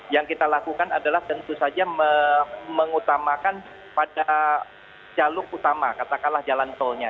yang kita lakukan adalah tentu saja mengutamakan pada jalur utama katakanlah jalan tolnya